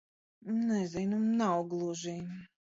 Nezinu. Nav gluži...